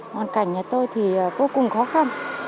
ngoàn cảnh nhà tôi thì vô cùng khó khăn